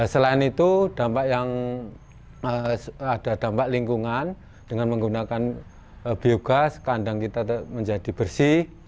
selain itu dampak yang ada dampak lingkungan dengan menggunakan biogas kandang kita menjadi bersih